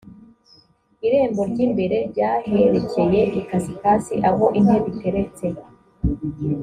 irembo ry imbere ry aherekeye ikasikazi aho intebe iteretse